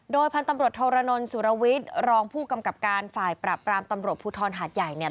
โดยพันธุ์ตำรวจโทรนลสุรวิทย์รองผู้กำกับการฝ่ายปราบปรามตำรวจภูทรหาดใหญ่เนี่ย